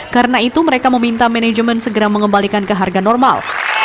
karena itu mereka meminta manajemen segera mengembalikan ke harga normal